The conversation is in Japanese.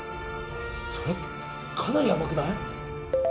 それってかなりヤバくない！？